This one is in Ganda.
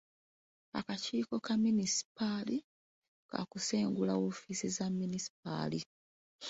Akakiiko ka munisipaali kaakusengula woofiisi za munisipaali.